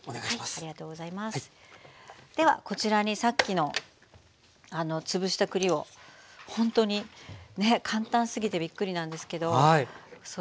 ではこちらにさっきの潰した栗をほんとにね簡単すぎてびっくりなんですけど添えて頂いて。